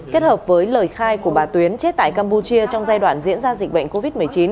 kết hợp với lời khai của bà tuyến chết tại campuchia trong giai đoạn diễn ra dịch bệnh covid một mươi chín